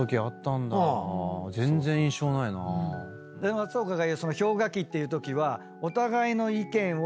松岡が言う氷河期っていうときは。